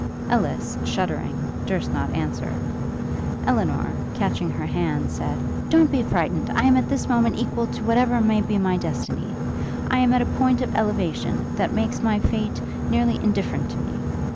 Ellis, shuddering, durst not answer. Elinor, catching her hand said, 'Don't be frightened! I am at this moment equal to whatever may be my destiny: I am at a point of elevation, that makes my fate nearly indifferent to me.